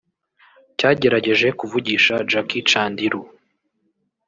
cyagerageje kuvugisha Jackie Chandiru